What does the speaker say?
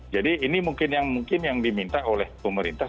jadi ini mungkin yang diminta oleh pemerintah